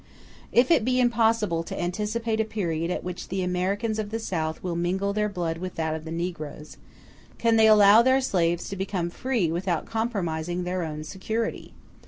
If it be impossible to anticipate a period at which the Americans of the South will mingle their blood with that of the negroes, can they allow their slaves to become free without compromising their own security?